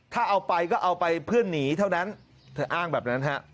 ถ้าเอาไปก็เอาไปเพื่อหนีเท่านั้นเธออ้างแบบนั้นฮะ